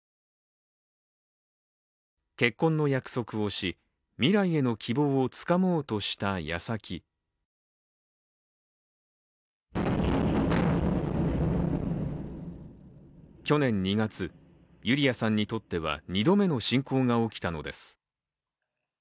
結婚の約束をし、未来への希望をつかもうとしたやさき去年２月、ユリアさんにとっては２度目の侵攻が起きたのです。